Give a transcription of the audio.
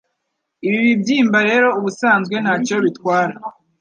Ibi bibyimba rero ubusanzwe ntacyo bitwara